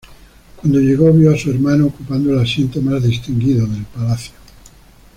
Cuando llegó vio a su hermano ocupando el asiento más distinguido del palacio.